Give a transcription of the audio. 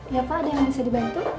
ya pak ada yang bisa dibantu